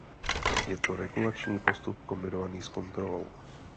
Je to regulační postup kombinovaný s kontrolou.